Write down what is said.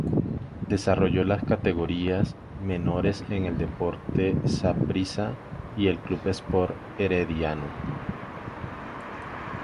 Desarrolló las categorías menores en el Deportivo Saprissa y en el Club Sport Herediano.